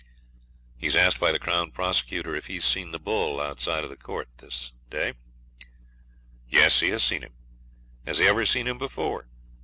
He's asked by the Crown Prosecutor if he's seen the bull outside of the court this day. 'Yes; he has seen him.' 'Has he ever seen him before?'